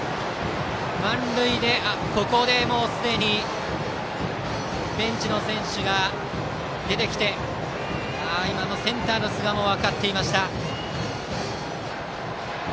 満塁でここでベンチの選手が出てきてセンターの寿賀も分かっていました。